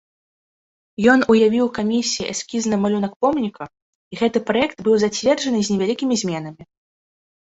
Ён уявіў камісіі эскізны малюнак помніка, і гэты праект быў зацверджаны з невялікімі зменамі.